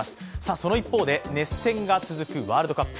その一方で熱戦が続くワールドカップ。